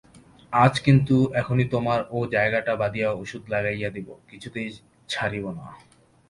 আজ কিন্তু এখনই তোমার ও -জায়গাটা বাঁধিয়া ওষুধ লাগাইয়া দিব–কিছুতেই ছাড়িব না।